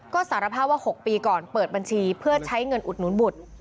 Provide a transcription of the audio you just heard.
ก็สารภาพว่า๖ปีก่อนเปิดบัญชีเพื่อใช้เงินอุดหนุนบุตร